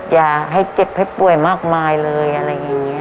อย่าให้เจ็บให้ป่วยมากมายเลยอะไรอย่างนี้